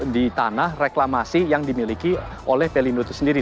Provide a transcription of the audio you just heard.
di tanah reklamasi yang dimiliki oleh pelindo itu sendiri